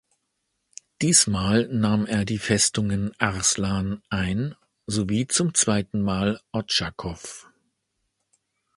Diesmal nahm er die Festungen Arslan ein, sowie zum zweiten Mal Otschakow.